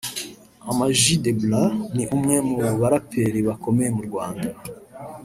Ama G The Black ni umwe mu baraperi bakomeye mu Rwanda